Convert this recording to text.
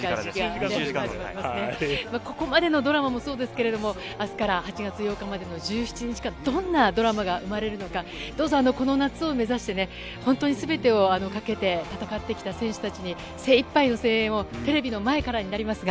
ここまでのドラマもそうですが明日から、８月８日までの１７日間、どんなドラマが生まれるのかどうぞ、この夏を目指して本当に全てをかけて戦ってきた選手たちに精いっぱいの声援をテレビの前からになりますが